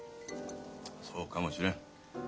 そうかもしれん。